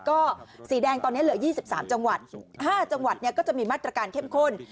ก็สีแดงตอนเนี้ยเหลือยี่สิบสามจังหวัดห้าจังหวัดเนี่ยก็จะมีมาตรการเข้มข้น